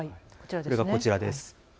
それがこちらです。